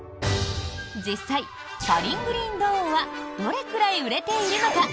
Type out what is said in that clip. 実際「パリングリンドーン」はどれくらい売れているのか？